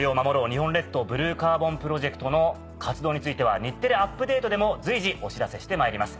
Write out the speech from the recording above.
日本列島ブルーカーボンプロジェクト」の活動については『日テレアップＤａｔｅ！』でも随時お知らせしてまいります。